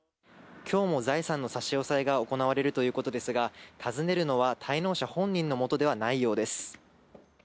きょうも財産の差し押さえが行われるということですが、訪ねるのは、滞納者本人のもとではないようです。